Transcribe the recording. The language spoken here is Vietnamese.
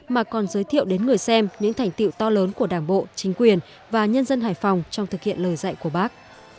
mà còn giới thiệu đến người xem những thành tiệu to lớn của đảng bộ chính quyền và nhân dân hải phòng trong thực hiện lời dạy của bác